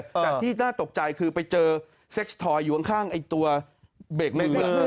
แต่ที่น่าตกใจคือไปเจอเซ็กสทอยอยู่ข้างไอ้ตัวเบรกในเรือ